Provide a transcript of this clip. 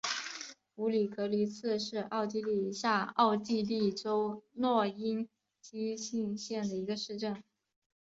普里格利茨是奥地利下奥地利州诺因基兴县的一个市镇。